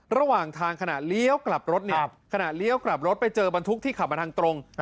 ระหว่างทางขณะเลี้ยวกลับรถเนี่ยขณะเลี้ยวกลับรถไปเจอบรรทุกที่ขับมาทางตรง